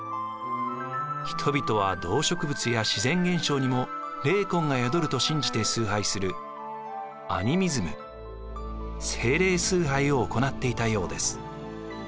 人々は動植物や自然現象にも霊魂が宿ると信じて崇拝するアニミズム精霊崇拝を行っていたようです。